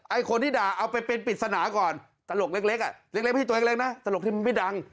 คนที่ด่าเอาไปเป็นปริศนาก่อนตลกเล็กอ่ะเล็กพี่ตัวเล็กนะตลกที่มันไม่ดัง